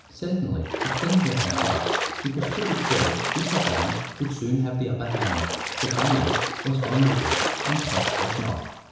Certainly, if things went on thus, it was pretty clear which of them would soon have the upper hand, for grannie was vulnerable, and Pet was not.